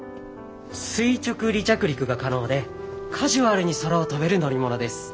垂直離着陸が可能でカジュアルに空を飛べる乗り物です。